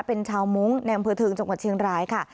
เป็นชาวมุ้งในอำเภอเทิงจังหวัดเชียงรายค่ะ